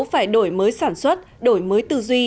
phải đổi mới sản xuất đổi mới tư duy